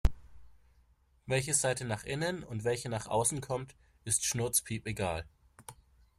Welche Seite nach innen und welche nach außen kommt, ist schnurzpiepegal.